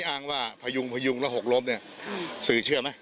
อย่างนี้พยุงกว่าพยุงแล้วหกล้มสื่อเชื่อไหม